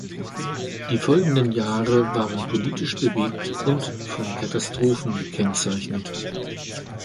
Die folgenden Jahre waren politisch bewegt und von Katastrophen gekennzeichnet.